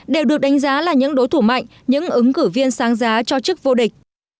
đều được đánh giá là những đối thủ mạnh những ứng cử viên sáng giá cho chức vô địch